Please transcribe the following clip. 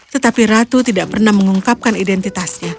tetapi ratu tidak pernah mengungkapkan identitasnya